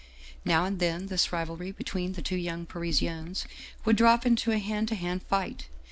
" Now and then this rivalry between the two young Parisians would drop into a hand to hand fight.